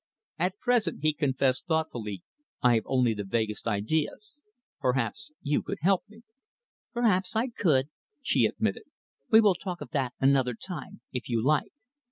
"At present," he confessed thoughtfully, "I have only the vaguest ideas. Perhaps you could help me." "Perhaps I could," she admitted. "We will talk of that another time, if you like."